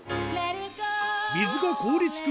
水が凍りつく